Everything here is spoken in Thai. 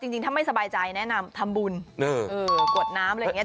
จริงถ้าไม่สบายใจแนะนำทำบุญกวดน้ำอะไรอย่างนี้